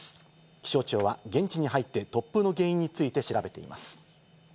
気象庁は現地に入って突風の原因について調べています。